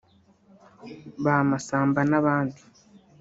ba Masamba n’abandi